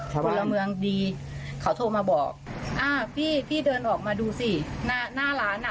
พลเมืองดีเขาโทรมาบอกอ่าพี่พี่เดินออกมาดูสิหน้าหน้าร้านอ่ะ